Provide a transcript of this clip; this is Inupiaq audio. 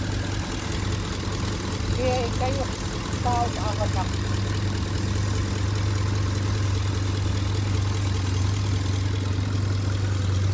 Kia ikayuqpauŋ aġnaq?